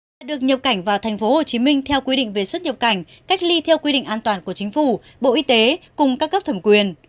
đã được nhập cảnh vào tp hcm theo quy định về xuất nhập cảnh cách ly theo quy định an toàn của chính phủ bộ y tế cùng các cấp thẩm quyền